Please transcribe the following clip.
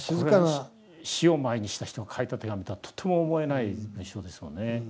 これが死を前にした人が書いた手紙とはとても思えない密書ですもんね。